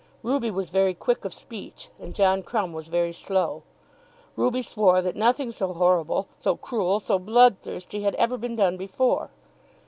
Ruby was very quick of speech and John Crumb was very slow. Ruby swore that nothing so horrible, so cruel, so bloodthirsty had ever been done before.